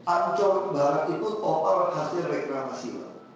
ancor barang itu topar hasil reklamasi